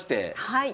はい。